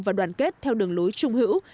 và đoàn kết theo đường lối trung hữu